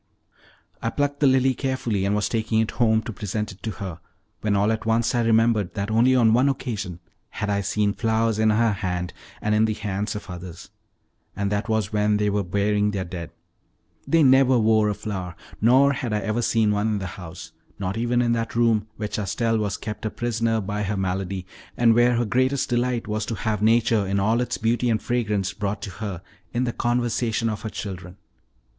I plucked the lily carefully, and was taking it home to present it to her, when all at once I remembered that only on one occasion had I seen flowers in her hand, and in the hands of the others, and that was when they were burying their dead. They never wore a flower, nor had I ever seen one in the house, not even in that room where Chastel was kept a prisoner by her malady, and where her greatest delight was to have nature in all its beauty and fragrance brought to her in the conversation of her children.